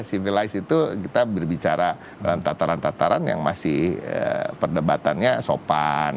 civilized itu kita berbicara dalam tataran tataran yang masih perdebatannya sopan